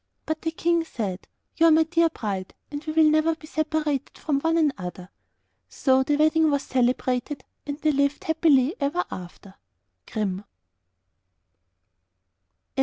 But the King said, 'You are my dear bride, and we will never be separated from one another.' So the wedding was celebrated and they lived happily ever after. Grimm.